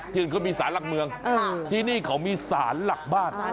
อื่นเขามีสารหลักเมืองที่นี่เขามีสารหลักบ้าน